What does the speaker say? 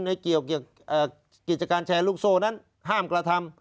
เกี่ยวกับกิจการแชร์ลูกโซ่นั้นห้ามกระทำ